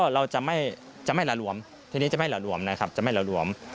เราจะไม่ละลวมทีนี้จะไม่หละหลวมนะครับจะไม่ละหลวม